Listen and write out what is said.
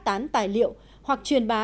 tán tài liệu hoặc truyền bá